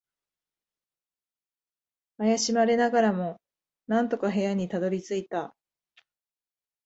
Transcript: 怪しまれながらも、なんとか部屋にたどり着いた。